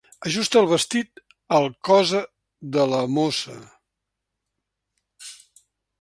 Ajusta el vestit al cosa de la mossa.